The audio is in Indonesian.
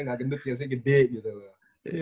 gak gendut seharusnya gede gitu